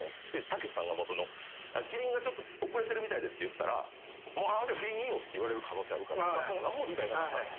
たけしさんが麒麟がちょっと遅れてるみたいですって言ったら「麒麟いいよ」って言われる可能性あるからスタッフさんが何も伝えなかった。